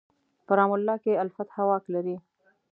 په رام الله کې الفتح واک لري.